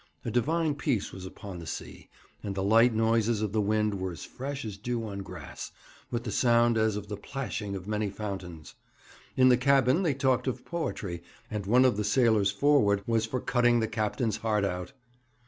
A divine peace was upon the sea, and the light noises of the wind were as fresh as dew on grass, with the sound as of the plashing of many fountains. In the cabin they talked of poetry and one of the sailors forward was for cutting the captain's heart out!